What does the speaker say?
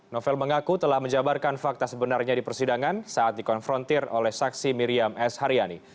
novel mengaku telah menjabarkan fakta sebenarnya di persidangan saat dikonfrontir oleh saksi miriam s haryani